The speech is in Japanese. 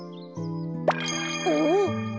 おっ！